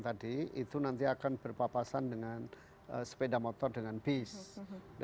tadi itu nanti akan berubah menjadi jalan yang lebih jauh jadi itu adalah hal yang sangat penting